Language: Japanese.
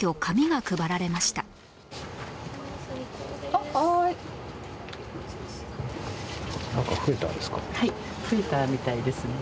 はい増えたみたいですね。